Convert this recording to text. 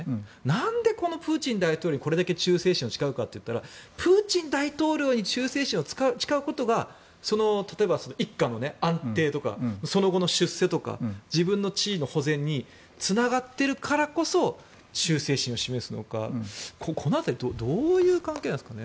なんで、このプーチン大統領にこれだけ忠誠心を誓うかと言ったらプーチン大統領に忠誠心を誓うことが例えば、一家の安定とかその後の出世とか自分の地位の保全につながっているからこそ忠誠心を示すのかこの辺りどういう関係なんですかね。